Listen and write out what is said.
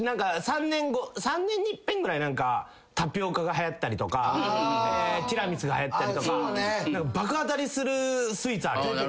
３年に一遍ぐらい何かタピオカがはやったりとかティラミスがはやったりとか爆当たりするスイーツあるやん。